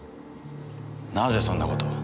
なぜそんな事を。